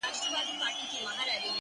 خپلي خبري خو نو نه پرې کوی ـ